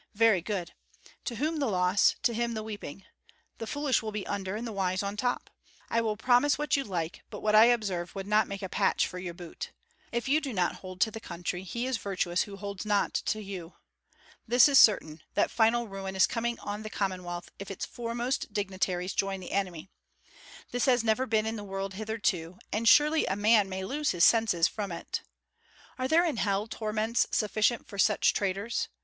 Very good! To whom the loss, to him the weeping! The foolish will be under, and the wise on top. I will promise what you like, but what I observe would not make a patch for your boot. If you do not hold to the country, he is virtuous who holds not to you. This is certain, that final ruin is coming on the Commonwealth if its foremost dignitaries join the enemy. This has never been in the world hitherto, and surely a man may lose his senses from it. Are there in hell torments sufficient for such traitors?